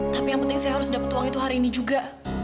tapi yang penting saya harus dapat uang itu hari ini juga